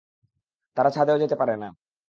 তারা ছাদেও যেতে পারে না।